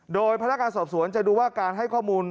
โดยพนักงานสอบสวนจะดูว่าการให้ข้อมูล